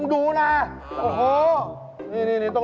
ซึโื้น